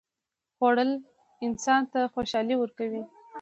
خوړل انسان ته خوشالي ورکوي